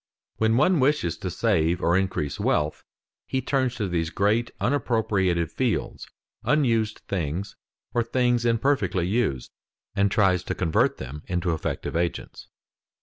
When one wishes to save or increase wealth, he turns to these great unappropriated fields, unused things or things imperfectly used, and tries to convert them into effective agents.